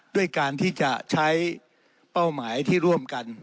ด้วยการที่จะใช้เป้าหมายที่ร่วมกัน